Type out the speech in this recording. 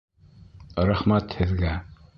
Рәхмәтһеҙгә...